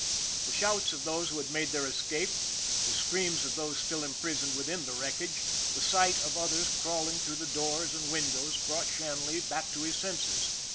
The shouts of those who had made their escape, the screams of those still imprisoned within the wreckage, the sight of others crawling through the doors and windows brought Shanley back to his senses.